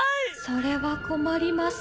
・それは困ります。